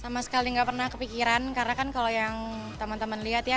sama sekali nggak pernah kepikiran karena kan kalau yang teman teman lihat ya